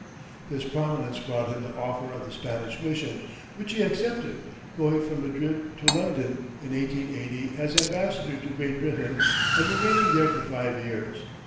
This prominence brought him the offer of the Spanish mission, which he accepted, going from Madrid to London, in 1880, as Ambassador to Great Britain, and remaining there for five years.